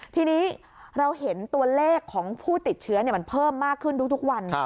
ทีนี้เราเห็นตัวเลขของผู้ติดเชื้อมันเพิ่มมากขึ้นทุกวัน